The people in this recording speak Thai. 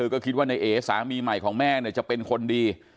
ก็คิดว่าในเอสามีใหม่ของแม่จะเป็นคนดี